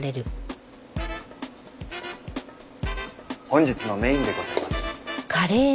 本日のメインでございます。